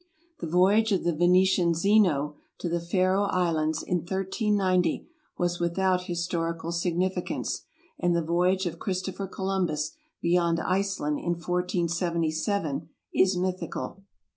The voyage of the Venetian Zeno to the Faro Islands in 1 390 was without historical significance, and the voyage of Christopher Columbus beyond Iceland in 1477 is mythical.